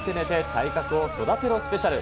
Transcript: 体格を育てろスペシャル。